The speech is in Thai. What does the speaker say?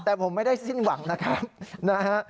แต่ผมไม่ได้สิ้นหวังนะครับนะฮะ